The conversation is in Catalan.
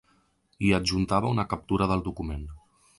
I hi adjuntava una captura del document.